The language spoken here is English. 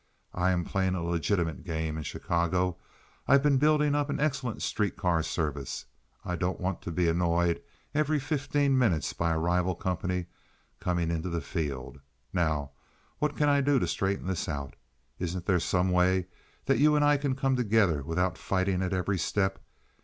I am playing a legitimate game in Chicago. I've been building up an excellent street car service. I don't want to be annoyed every fifteen minutes by a rival company coming into the field. Now, what can I do to straighten this out? Isn't there some way that you and I can come together without fighting at every step?